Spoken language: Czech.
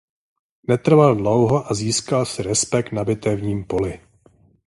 Netrvalo dlouho a získal si respekt na bitevním poli.